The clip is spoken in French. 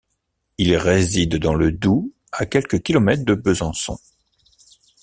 Il réside dans le Doubs, à quelques kilomètres de Besançon.